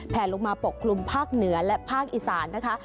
ลงมาปกคลุมภาคเหนือและภาคอีสานนะคะ